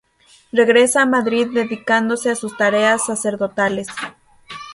Regresa a Madrid dedicándose a sus tareas sacerdotales.